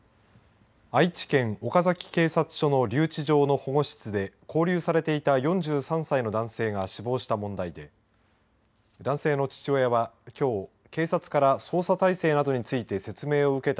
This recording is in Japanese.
愛知県岡崎警察署の留置場の保護室で勾留されていた４３歳の男性が死亡した問題で男性の父親はきょう、警察から捜査体制などについて説明を受けた